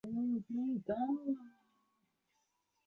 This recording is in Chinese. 其很多作品都有这一特点或有这种倾向。